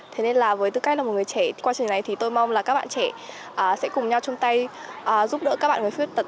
thế nên là với tư cách là một người trẻ quá trình này thì tôi mong là các bạn trẻ sẽ cùng nhau chung tay giúp đỡ các bạn người khuyết tật